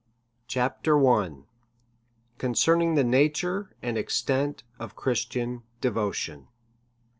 CHAPTER I. Concerning the Nature and Extent of Christian Devotion.